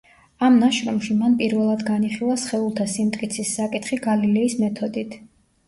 ამ ნაშრომში მან პირველად განიხილა სხეულთა სიმტკიცის საკითხი გალილეის მეთოდით.